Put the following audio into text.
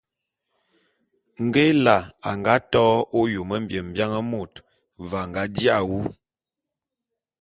Nge Ela a to bo ôyôm mbiebian môt, ve a nga ji’a wu.